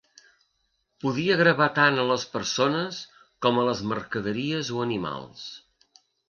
Podia gravar tant a les persones, com a les mercaderies o animals.